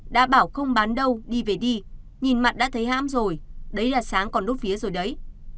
đã bảo không bán đâu đi về đi nhìn mặt đã thấy hám rồi đấy là sáng còn đốt phía rồi đấy